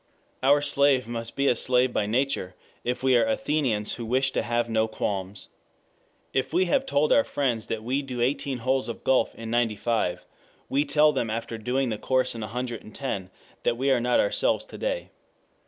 Our slave must be a slave by nature, if we are Athenians who wish to have no qualms. If we have told our friends that we do eighteen holes of golf in 95, we tell them after doing the course in 110, that we are not ourselves to day.